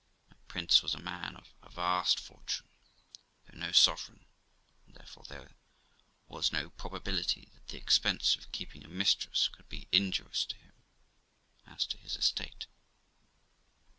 My prince was a man of a vast fortune, though no sovereign, and therefore there was no probability that the expense of keeping a mistress could be injurious to him, as to his estate.